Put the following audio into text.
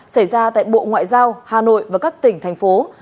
xảy ra tại bộ ngoại giao hà nội và các tỉnh thành phố